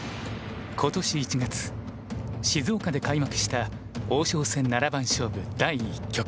静岡で開幕した王将戦七番勝負第１局。